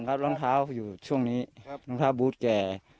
รองเท้าก่อนครับรองเท้าอยู่ช่วงนี้รองเท้าบูธแก